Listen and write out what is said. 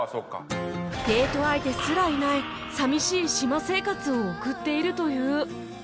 デート相手すらいない寂しい島生活を送っているという